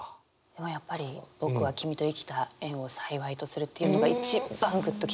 でもやっぱり「僕は君と生きた縁を幸とする」というのが一番ぐっときますかね。